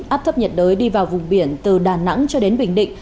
áp thấp nhiệt đới đi vào vùng biển từ đà nẵng cho đến bình định